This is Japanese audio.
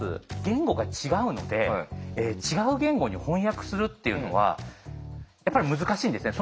言語が違うので違う言語に翻訳するっていうのはやっぱり難しいんですね。